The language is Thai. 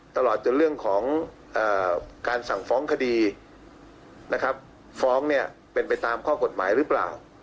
ตลอดจนเรื่องของการสั่งฟ้องคดีนะครับฟ้องเนี่ยเป็นไปตามข้อกฎหมายหรือเปล่า